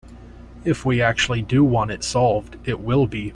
If we actually do want it solved, it will be.